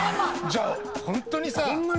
じゃあホントにさ。